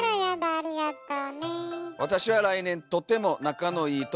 ありがとうね。